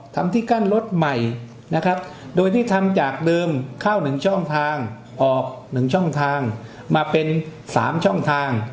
ทำที่กั้นรถใหม่นะครับโดยที่ทำจากเดิมเข้า๑ช่องทางออก๑ช่องทางมาเป็น๓ช่องทาง